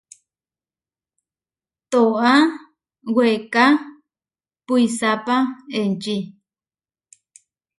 Tóa, weeká puisápa enčí.